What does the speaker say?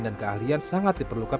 dan keahlian sangat diperlukan